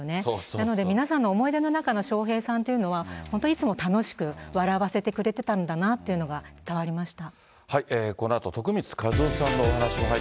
なので皆さんの思い出の中の笑瓶さんというのは、本当いつも楽しく笑わせてくれてたんだなというのが伝わりました。